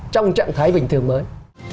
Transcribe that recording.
trong trạng thái bình thường mới